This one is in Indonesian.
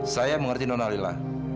saya mengerti dona lila